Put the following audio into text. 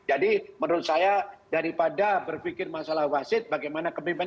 jadi menurut saya daripada berpikir masalah wasit bagaimana kemimpinan